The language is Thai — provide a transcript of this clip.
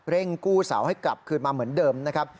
กู้เสาให้กลับคืนมาเหมือนเดิมนะครับ